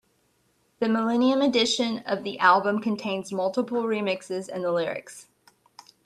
The millennium edition of the album contains multiple remixes and the lyrics.